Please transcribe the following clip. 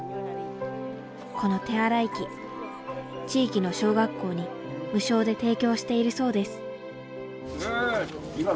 この手洗い器地域の小学校に無償で提供しているそうです。